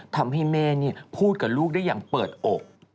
ทำให้แม่พูดกับลูกได้อย่างเปิดอก